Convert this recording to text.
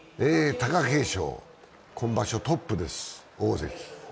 貴景勝、今場所トップです、大関。